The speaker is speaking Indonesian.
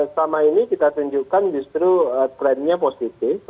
selama ini kita tunjukkan justru trennya positif